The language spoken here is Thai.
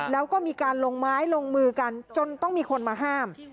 แล้วก็มีการลงไม้ลงมือกันจนต้องมีคนมาห้าม